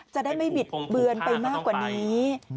จะได้ไม่บิดเบือนไปมากกว่านี้